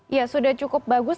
ya sudah cukup bagus